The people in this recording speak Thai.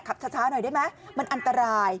ขับช้าหน่อยได้ไหมมันอันตราย